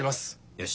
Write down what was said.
よし。